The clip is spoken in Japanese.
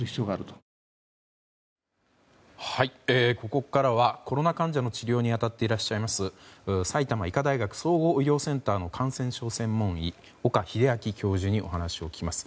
ここからはコロナ患者の治療に当たっていらっしゃいます埼玉医科大学総合医療センターの感染症専門医岡秀昭教授にお話を聞きます。